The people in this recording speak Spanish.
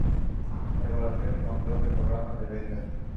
Evaluación y Control del programa de ventas.